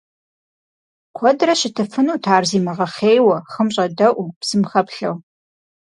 Куэдрэ щытыфынут ар зимыгъэхъейуэ хым щӏэдэӏуу, псым хэплъэу.